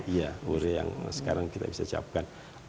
iya hure yang sekarang kita bisa siapkan